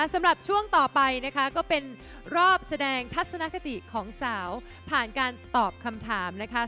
สำหรับช่วงต่อไปนะคะก็เป็นรอบแสดงทัศนคติของสาวผ่านการตอบคำถามนะคะ